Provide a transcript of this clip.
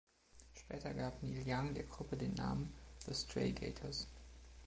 Später gab Neil Young der Gruppe den Namen "The Stray Gators".